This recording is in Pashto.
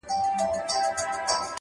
صبر د بریا کلید دی.!